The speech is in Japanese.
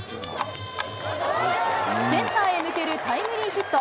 センターへ抜けるタイムリーヒット。